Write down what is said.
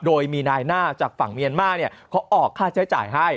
โดยมีนายหน้าจากฝั่งเมียนมาร์เขาออกค่าใช้จ่ายให้